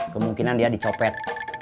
kemungkinan dia dicopet